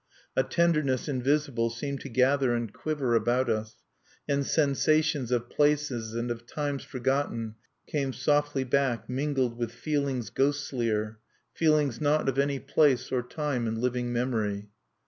A tenderness invisible seemed to gather and quiver about us; and sensations of places and of times forgotten came softly back, mingled with feelings ghostlier, feelings not of any place or time in living memory.